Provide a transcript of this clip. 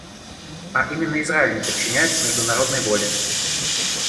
И именно Израиль не подчиняется международной воле.